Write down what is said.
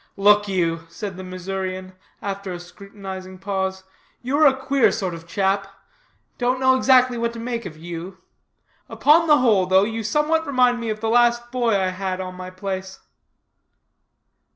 "Look you," said the Missourian, after a scrutinizing pause, "you are a queer sort of chap. Don't know exactly what to make of you. Upon the whole though, you somewhat remind me of the last boy I had on my place."